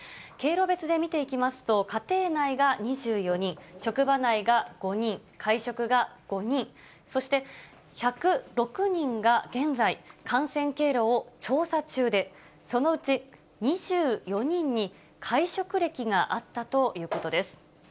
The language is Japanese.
経路別で見ていきますと、家庭内が２４人、職場内が５人、会食が５人、そして、１０６人が現在、感染経路を調査中で、そのうち２４人に会食歴があったということです。